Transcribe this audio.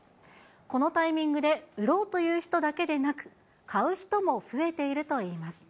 このタイミングで売ろうという人だけでなく、買う人も増えているといいます。